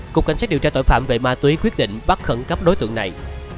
cục cảnh sát điều tra tội phạm về ma túy quyết định bắt khẩn cấp đối tượng này